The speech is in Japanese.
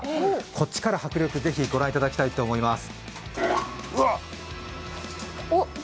こっちから迫力、ぜひご覧いただきたいと思います。